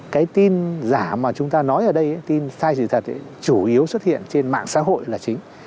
cái tin giả mà chúng ta nói ở đây tin sai sự thật chủ yếu xuất hiện trên mạng xã hội là chính